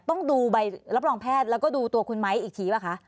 ต้องดูใบรับรองแพทย์แล้วก็ดูตัวคุณไม้อีกทีป่ะคะ